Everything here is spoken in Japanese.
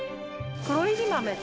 黒いり豆。